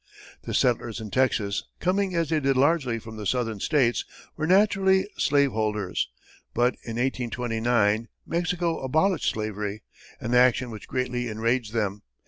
The settlers in Texas, coming as they did largely from the southern states, were naturally slave holders, but in 1829, Mexico abolished slavery, an action which greatly enraged them.